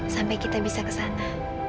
sampai kita bisa kesana